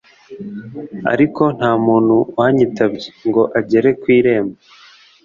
ariko nta muntu wanyitabye » Ngo agere ku irembo